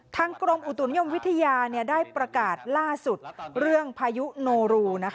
กรมอุตุนิยมวิทยาได้ประกาศล่าสุดเรื่องพายุโนรู